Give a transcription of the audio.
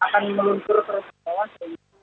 akan melumpur ke gunung gunung kebuan